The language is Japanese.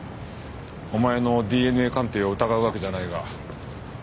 お前のＤＮＡ鑑定を疑うわけじゃないが。